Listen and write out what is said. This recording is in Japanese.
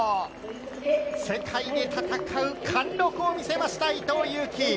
世界で戦う貫禄を見せました伊藤有希！